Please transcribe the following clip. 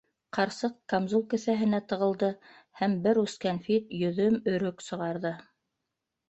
Ҡарсыҡ камзул кеҫәһенә тығылды һәм... бер ус кәнфит, йөҙөм, өрөк сығарҙы: